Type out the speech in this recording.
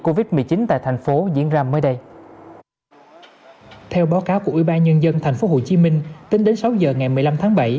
covid một mươi chín tại thành phố diễn ra mới đây theo báo cáo của ubnd tp hcm tính đến sáu giờ ngày một mươi năm tháng